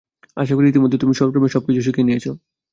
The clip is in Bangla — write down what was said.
আশা করি ইতোমধ্যে তুমি স্বরগ্রামের সব কিছুই শিখে নিয়েছ।